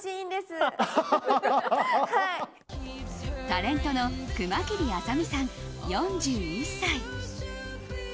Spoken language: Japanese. タレントの熊切あさ美さん４１歳。